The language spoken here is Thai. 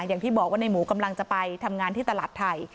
อย่างที่บอกว่าในหมูกำลังจะไปทำงานที่ตลาดไทย